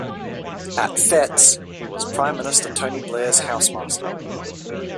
At Fettes, he was Prime Minister Tony Blair's housemaster.